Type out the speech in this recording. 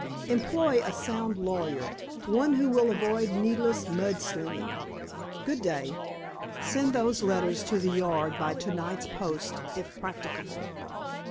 "Employ a sound lawyer, one who will avoid needless mud slinging. Good day! Send those letters to the Yard by to night's post if practicable."